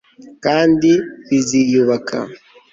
kandi biziyubaka